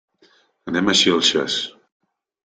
Anem a Xilxes.